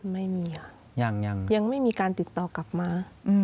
ไม่มีค่ะยังไม่มีการติดต่อกลับมา